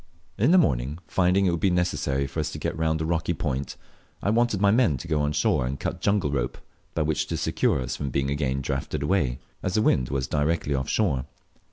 In the morning, finding it would be necessary for us to get round a rocky point, I wanted my men to go on shore and cut jungle rope, by which to secure us from being again drafted away, as the wind was directly off shore.